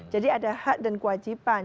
jadi ada hak dan kewajiban